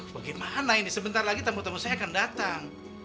bagaimana ini sebentar lagi tamu tamu saya akan datang